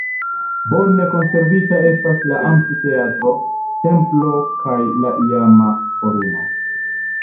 Bone konservita estas la amfiteatro, templo kaj la iama forumo.